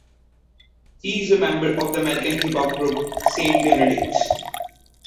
He is a member of the American hip hop group Saint Lunatics.